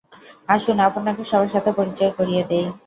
আসুন, আপনাকে সবার সাথে পরিচয় করিয়ে দেই।